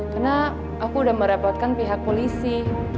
karena aku udah merepotkan pihak polisi